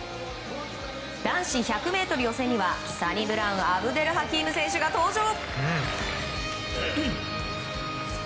男子１００ｍ予選にはサニブラウン・アブデルハキーム選手が登場。